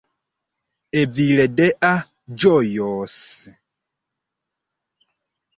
Evildea ĝojos